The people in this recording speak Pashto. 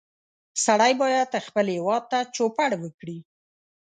سړی باید خپل هېواد ته چوپړ وکړي